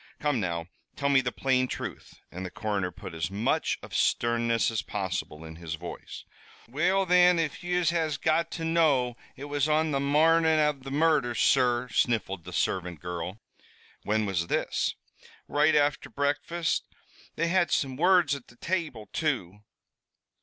Come now, tell me the plain truth," and the coroner put as much of sternness as possible in his voice. "Well, thin, if yez has got to know, it was on the marnin' av the murders, sur," sniffled the servant girl. "When was this?" "Right afther breakfast. They had some words at the table, too."